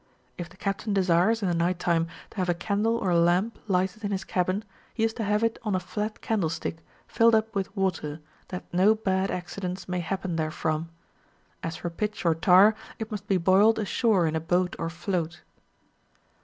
If the captain desires, in the night time, to have a candle or lamp lighted in his cabin, he is to have it on a flat candlestick, filled up with water, that no bad accident may happen therefrom. As for pitch or tar, it must be boUed ashore in a boat or float.